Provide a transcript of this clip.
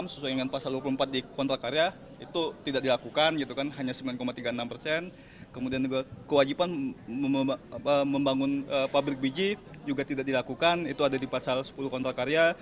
membangun pabrik biji juga tidak dilakukan itu ada di pasal sepuluh kontrak karya